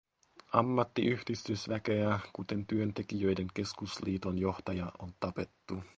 Ammattiyhdistysväkeä, kuten työntekijöiden keskusliiton johtaja, on tapettu.